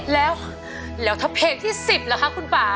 แล้วถ้าเพลงที่๑๐ล่ะคะคุณป่า